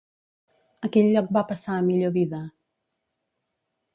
A quin lloc va passar a millor vida?